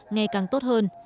ngày càng tốt hơn